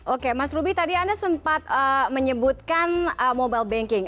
oke mas ruby tadi anda sempat menyebutkan mobile banking